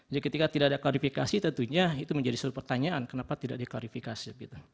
jadi ketika tidak ada klarifikasi tentunya itu menjadi soal pertanyaan kenapa tidak ada klarifikasi